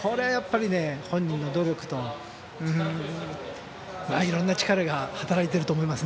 本人の努力と、いろいろな力が働いていると思います。